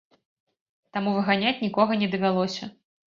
Таму выганяць нікога не давялося.